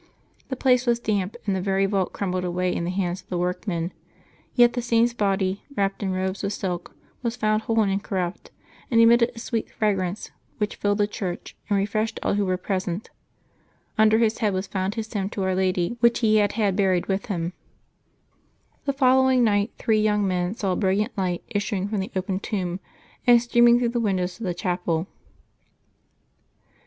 The place was damp, and the very vault crumbled away in the hands of the workmen; yet the Saint's body, wrapped in robes of silk, was found whole and incorrupt, and emitted a sweet fragrance, which filled the church and refreshed all who were present. Under his head was found his hymn to Our Lady, which he had had buried with him. The following night three UARca 51 LIVES OF THE SAINTS 97 young men saw a brilliant light issuing from the open tomb and streaming through the windows of the chapel.